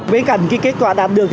bên cạnh kết quả đạt được